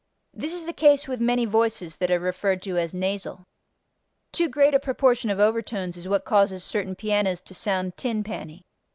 This is the case with many voices that are referred to as nasal. Too great a proportion of overtones is what causes certain pianos to sound "tin panny."